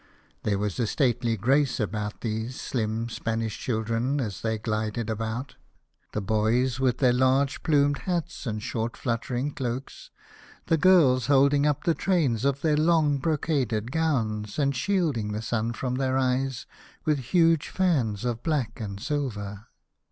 There was a stately grace about these slim Spanish children as they glided about, 28 The Birthday of the Infanta. the boys with their large plumed hats and short fluttering cloaks, the girls holding up the trains of their long brocaded gowns, and shielding the sun from their eyes with huge fans of black and silver.